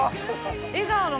笑顔の。